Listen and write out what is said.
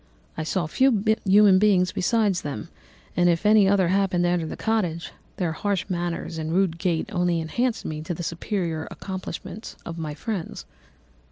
I saw few human beings besides them, and if any other happened to enter the cottage, their harsh manners and rude gait only enhanced to me the superior accomplishments of my friends.